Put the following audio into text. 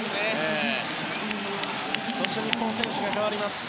そして日本選手が代わります。